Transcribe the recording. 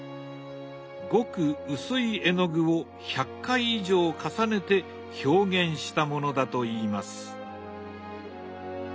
ごく薄い絵の具を１００回以上重ねて表現したものだといいます。